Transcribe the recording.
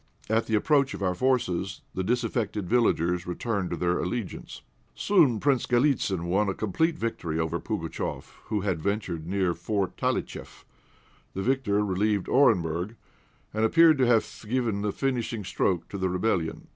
At the approach of our forces the disaffected villages returned to their allegiance. Soon Prince Galítsyn won a complete victory over Pugatchéf, who had ventured near Fort Talitcheff; the victor relieved Orenburg, and appeared to have given the finishing stroke to the rebellion.